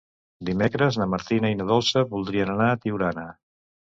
Dimecres na Martina i na Dolça voldrien anar a Tiurana.